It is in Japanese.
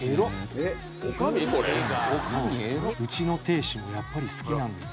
「うちの亭主もやっぱり好きなんです